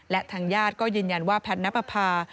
และทางญาติก็ยืนยันว่าแพทย์นับประพา